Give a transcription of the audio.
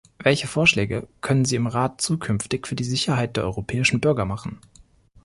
Welche Vorschläge können Sie im Rat zukünftig für die Sicherheit der europäischen Bürger machen?